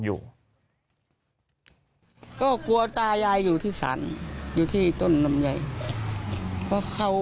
อยู่ก็กลัวตายายอยู่ที่สรรอยู่ที่ต้นลำไยเพราะเขา